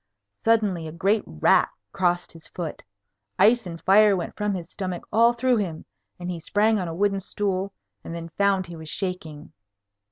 Suddenly a great rat crossed his foot. Ice and fire went from his stomach all through him, and he sprang on a wooden stool, and then found he was shaking.